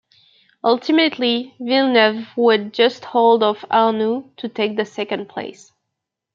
Ultimately Villeneuve would just hold off Arnoux to take second place.